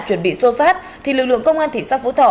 chuẩn bị xô sát thì lực lượng công an thị xã phú thọ